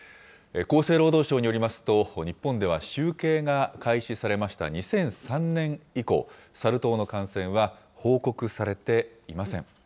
厚生労働省によりますと、日本では集計が開始されました２００３年以降、サル痘の感染は報告されていません。